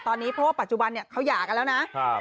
ตอนนี้เพราะว่าปัจจุบันเนี่ยเขาหย่ากันแล้วนะ